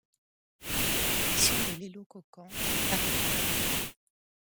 Edition de l’Elocoquent Paris.